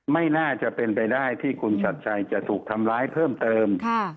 ไม่น่าจะเป็นไปได้ที่คุณชัดชัยจะถูกทำร้ายเพิ่มเติม